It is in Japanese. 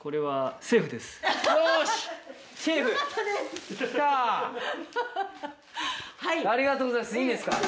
はい。